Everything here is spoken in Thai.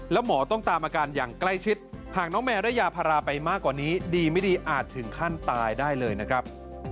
แล้วหมอต้องตามอาการอย่างใกล้ชิดหากน้องแมวได้ยาพาราไปมากกว่านี้ดีไม่ดีอาจถึงขั้นตายได้เลยนะครับ